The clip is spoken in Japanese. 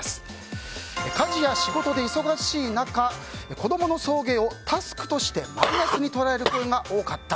家事や仕事で忙しい中子供の送迎をタスクとしてマイナスに捉える声が多かった。